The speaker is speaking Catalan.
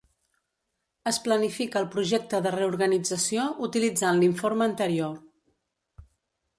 Es planifica el projecte de reorganització utilitzant l'informe anterior.